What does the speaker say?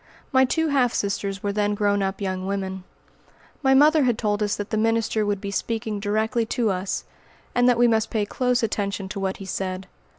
My two half sisters were then grown up young women. My mother had told us that the minister would be speaking directly to us, and that we must pay close attention to what he said.